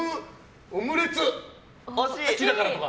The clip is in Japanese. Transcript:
オムレツ好きだからとか？